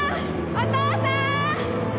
お父さん！